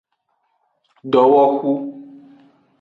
Dowohu.